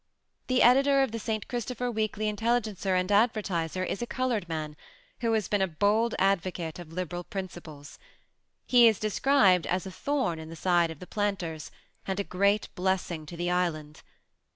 The Editor of the St. Christopher Weekly Intelligencer and Advertiser is a colored man, who has been a bold advocate of liberal principles. He is described as a thorn in the side of the planters, and a great blessing to the Island.